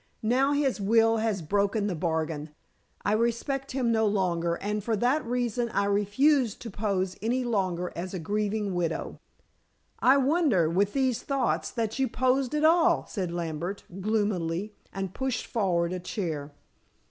Now his will has broken the bargain I respect him no longer, and for that reason I refuse to pose any longer as a grieving widow." "I wonder, with these thoughts, that you posed at all," said Lambert gloomily, and pushed forward a chair.